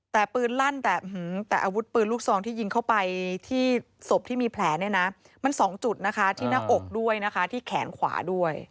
แต่ปืนลั่นแต่อาวุธปืนลูกซองที่ยิงเข้าไปที่ศพที่มีแผลเนี่ยนะมัน๒จุดนะคะที่หน้าอกด้วยนะคะที่แขนขวาด้วย